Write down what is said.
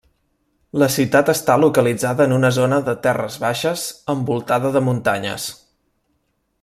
La ciutat està localitzada en una zona de terres baixes envoltada de muntanyes.